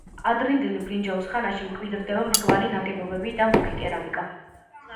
ადრინდელი ბრინჯაოს ხანაში მკვიდრდება მრგვალი ნაგებობები და მუქი კერამიკა.